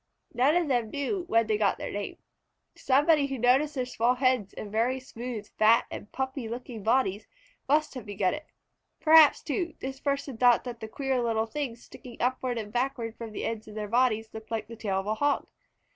None of them knew when they got their name. Somebody who noticed their small heads and very smooth, fat, and puffy looking bodies must have begun it. Perhaps, too, this person thought that the queer little things sticking upward and backward from the end of their bodies looked like the tail of a Hog.